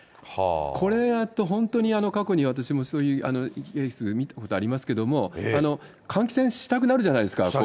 これ、本当に過去に、私もそういうケース見たことありますけれども、換気扇したくなるじゃないですか。